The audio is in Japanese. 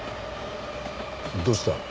どうした？